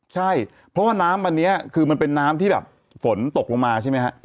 ใช่เพราะว่าน้ำอันนี้มันเป็นน้ำที่ฝนตกลงมาใช่มั้ยครับ